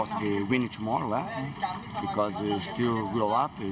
tentang menang atau kalah tentu saja menang